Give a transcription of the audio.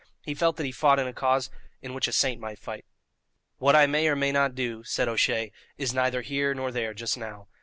He felt that he fought in a cause in which a saint might fight. "What I may or may not do," said O'Shea, "is neither here nor there just now.